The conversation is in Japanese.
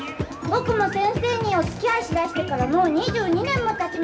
僕も先生におつきあいしだしてからもう２２年もたちました。